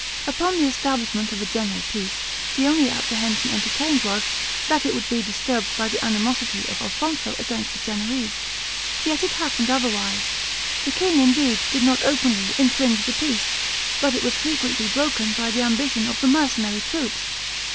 Upon the establishment of a general peace, the only apprehension entertained was, that it would be disturbed by the animosity of Alfonso against the Genoese; yet it happened otherwise. The king, indeed, did not openly infringe the peace, but it was frequently broken by the ambition of the mercenary troops.